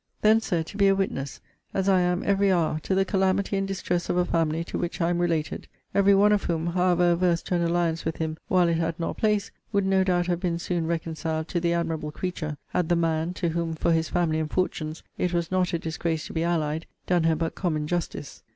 Then, Sir, to be a witness, as I am every hour, to the calamity and distress of a family to which I am related; every one of whom, however averse to an alliance with him while it had not place, would no doubt have been soon reconciled to the admirable creature, had the man (to whom, for his family and fortunes, it was not a disgrace to be allied) done her but common justice!